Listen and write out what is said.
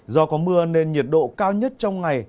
do có mưa nên nhiệt độ cao nhất trong ngày